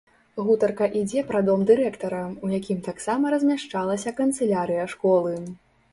Гутарка ідзе пра дом дырэктара, у якім таксама размяшчалася канцылярыя школы.